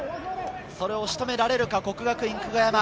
それを仕留められるか、國學院久我山。